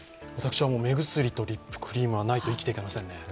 私は目薬とリップクリームはないと生きていけませんね。